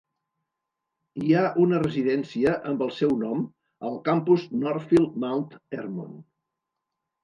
Hi ha una residència amb el seu nom al campus Northfield Mount Hermon.